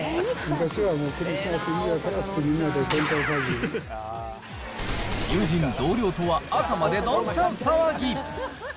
昔はもう、クリスマスイブは友人、同僚とは朝までどんちゃん騒ぎ。